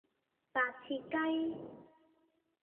白切雞